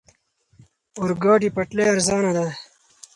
اورګاډي پټلۍ ارزانه ده.